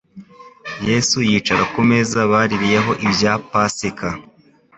Yesu yicara ku meza baririyeho ibya Pasika.